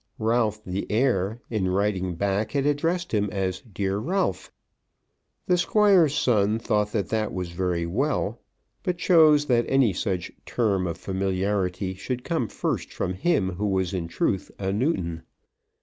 Ralph the heir in writing back had addressed him as "Dear Ralph." The Squire's son thought that that was very well, but chose that any such term of familiarity should come first from him who was in truth a Newton.